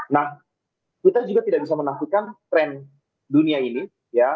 nah kita juga tidak bisa menafikan tren dunia ini ya